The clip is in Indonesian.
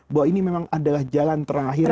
bahwa ini memang adalah jalan terakhir